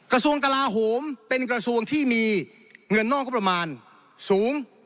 กระทรวงกลาโหมเป็นกระทรวงที่มีเงินนอกงบประมาณสูง